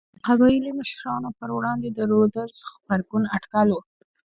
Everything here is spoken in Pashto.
د قبایلي مشرانو پر وړاندې د رودز غبرګون اټکل و.